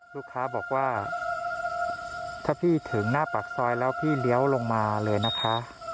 ลูกค้าบอกว่าถ้าพี่ถึงหน้าปากซอยแล้วพี่เลี้ยวลงมาเลยนะคะ